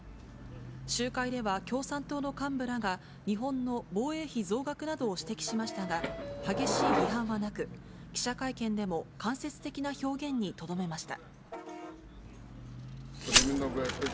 集会では共産党の幹部らが、日本の防衛費増額などを指摘しましたが、激しい批判はなく、記者会見でも間接的な表現にとどめました。